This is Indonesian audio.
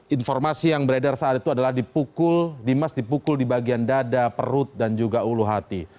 informasi yang beredar saat itu adalah dimas dipukul di bagian dada perut dan juga ulu hati